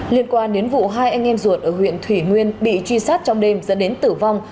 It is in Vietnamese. liên quan đến vụ hai anh em ruột ở huyện thủy nguyên bị truy sát trong đêm dẫn đến tử vong